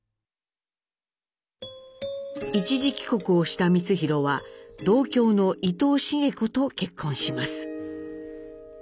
一時帰国をした光宏は同郷の伊藤繁子と結婚します。